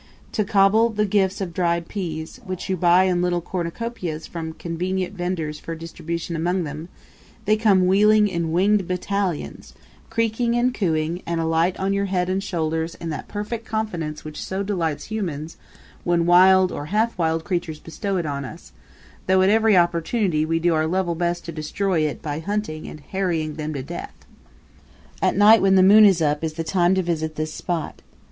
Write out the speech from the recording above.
To gobble the gifts of dried peas, which you buy in little cornucopias from convenient venders for distribution among them, they come wheeling in winged battalions, creaking and cooing, and alight on your head and shoulders in that perfect confidence which so delights humans when wild or half wild creatures bestow it on us, though, at every opportunity, we do our level best to destroy it by hunting and harrying them to death. At night, when the moon is up, is the time to visit this spot.